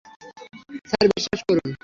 Sir, বিশ্বাস করুন।